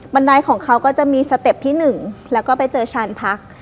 ไดของเขาก็จะมีสเต็ปที่๑แล้วก็ไปเจอชานพัก